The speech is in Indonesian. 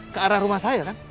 ke arah rumah saya kan